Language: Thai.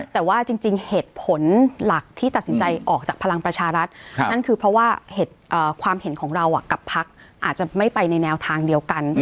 แต่ว่าจริงเหตุผลหลักที่ตัดสินใจออกจากพลังประชารัฐนั่นคือเพราะว่าความเห็นของเรากับพักอาจจะไม่ไปในแนวทางเดียวกัน